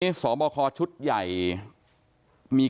นี่สอบครอชุดใหญ่